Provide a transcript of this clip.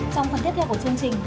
trong phần tiếp theo của chương trình